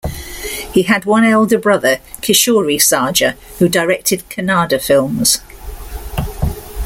He had one elder brother Kishore Sarja, who directed Kannada films.